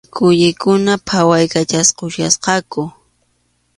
Quwikuna phawaykachaykuchkasqaku.